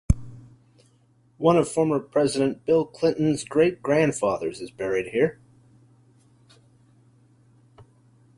One of former President Bill Clinton's great-grandfathers is buried here.